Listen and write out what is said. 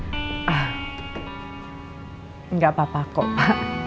oke okelah mungkin bakal melewatkan